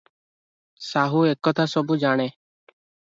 ସାହୁ ଏକଥା ସବୁ ଜାଣେ ।